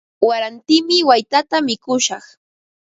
Warantimi waytata mikushaq.